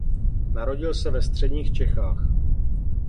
Narodil se ve středních Čechách.